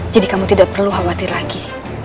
jadi kamu tidak perlu khawatir lagi